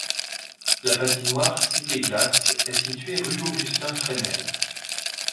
La patinoire Cités Glace est située rue Augustin Fresnel.